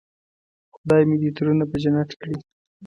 خدای مې دې ترونه په جنت کړي.